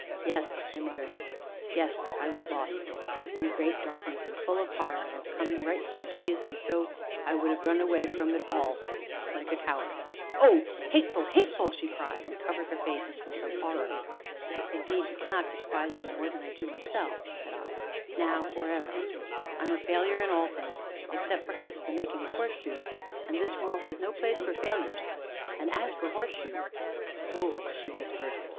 "Yes," I muttered; "yes, I was lost in a great darkness, and full of a horror of coming nights and days, and so I would have run away from it all like a coward " "Oh, hateful hateful!" she cried, and covered her face as from some horror. "Indeed, you cannot despise me more than I do myself," said I, "now, or ever; I am a failure in all things, except, perhaps, the making of horseshoes and this world has no place for failures and as for horseshoes " "Fool," she whispered.